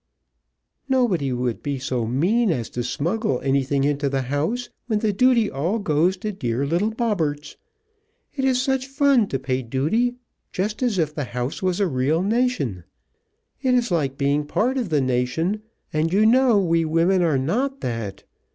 "Nobody would be so mean as to smuggle anything into the house, when the duty all goes to dear little Bobberts. It is such fun to pay duty, just as if the house was a real nation. It is like being part of the nation, and you know we women are not that.